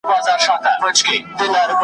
زه په خپل جنون کي خوښ یم زولنې د عقل یوسه .